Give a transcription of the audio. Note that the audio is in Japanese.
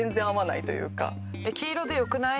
「黄色で良くない？」